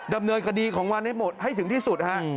ดำเนินคดีของมันให้หมดให้ถึงที่สุดฮะ